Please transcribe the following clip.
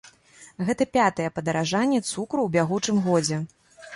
Гэта пятае падаражанне цукру ў бягучым годзе.